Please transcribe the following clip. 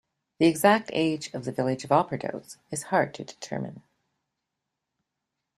The exact age of the village of Opperdoes is hard to determine.